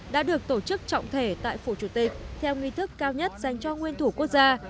đã được tổ chức trọng thể tại phủ chủ tịch theo nghi thức cao nhất dành cho nguyên thủ quốc gia